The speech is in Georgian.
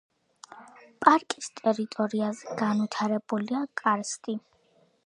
პარკის ტერიტორიაზე განვითარებულია კარსტი.